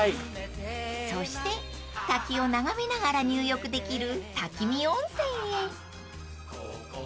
［そして滝を眺めながら入浴できる滝見温泉へ］